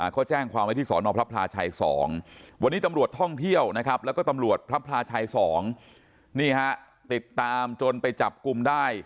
เขาแจ้งความไว้ที่สอนอพระพลาชัย๒วันนี้ตำรวจท่องเที่ยวนะครับแล้วก็ตำรวจพระพลาชัย๒นี่ฮะติดตามจนไปจับกลุ่มได้